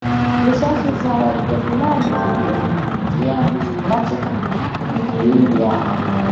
Risasi za Wajerumani zisingeingia katika miili yao